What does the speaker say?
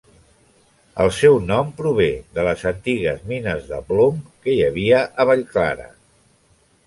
El seu nom prové de les antigues mines de plom que hi havia a Vallclara.